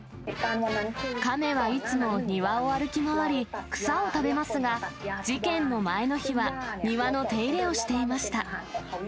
カメはいつも庭を歩き回り、草を食べますが、事件の前の日は、庭の手入れをしていました。